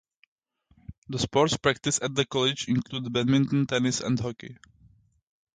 The sports practiced at the college included, badminton, tennis and hockey.